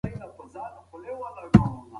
ملکیار د پښتو ولسي ادب ته نږدې شاعر و.